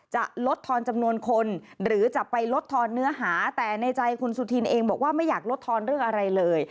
จะลดทอนจำนวนคนหรือจะไปลดทอนเนื้อหาแต่ในใจคุณสุธินเองบอกว่าไม่อยากลดทอนเรื่องอะไรเลย